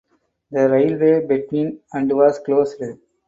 The railway between and was closed.